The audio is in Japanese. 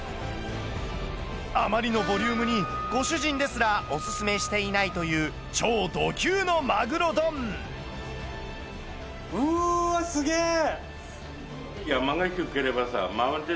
あまりのボリュームにご主人ですらお薦めしていないという超ド級のマグロ丼うわすげぇ！